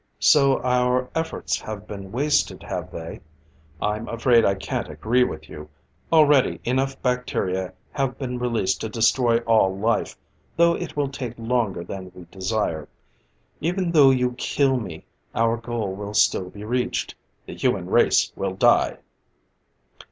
"So our efforts have been wasted, have they? I'm afraid I can't agree with you. Already, enough bacteria have been released to destroy all life, though it will take longer than we desire. Even though you kill me, our goal will still be reached. The human race will die!"